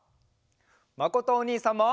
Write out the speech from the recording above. まことおにいさんも！